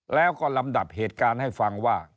แล้วก็ลำดับเหตุการณ์ให้ฟังว่า